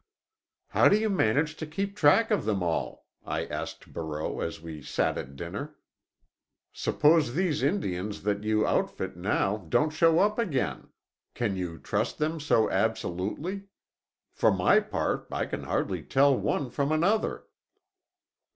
"How do you manage to keep track of them all?" I asked Barreau, as we sat at dinner. "Suppose these Indians that you outfit now don't show up again? Can you trust them so absolutely? For my part I can hardly tell one from another."